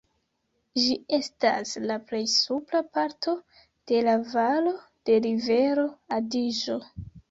Ĝi estas la plej supra parto de la valo de rivero Adiĝo.